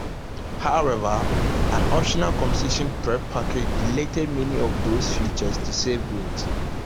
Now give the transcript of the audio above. However, an optional Competition Prep package deleted many of those features to save weight.